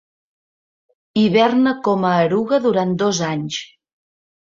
Hiberna com a eruga durant dos anys.